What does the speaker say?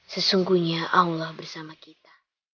sesungguhnya allah bersama kita